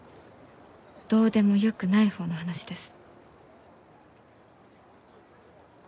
どうでもよくない方の話です。